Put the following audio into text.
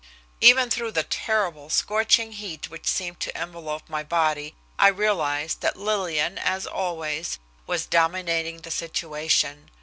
Even through the terrible scorching heat which seemed to envelop my body I realized that Lillian, as always, was dominating the situation.